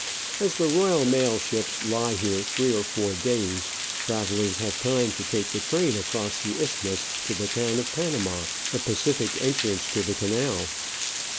As the Royal Mail ships lie here three or four days, travellers have time to take the train across the isthmus to the town of Panama, the Pacific entrance to the canal.